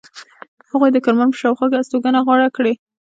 هغوی د کرمان په شاوخوا کې استوګنه غوره کړې.